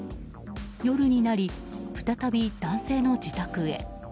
夜になり、再び男性の自宅へ。